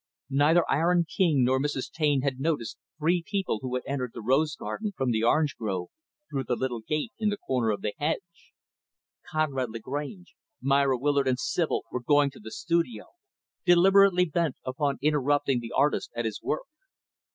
Neither Aaron King nor Mrs. Taine had noticed three people who had entered the rose garden, from the orange grove, through the little gate in the corner of the hedge. Conrad Lagrange, Myra Willard and Sibyl were going to the studio; deliberately bent upon interrupting the artist at his work.